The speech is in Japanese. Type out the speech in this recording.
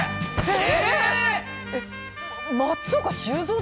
え！？